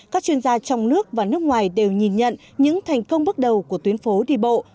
các chuyên gia trong nước và nước ngoài đều nhìn nhận những thành công bước đầu của tuyến phố đi bộ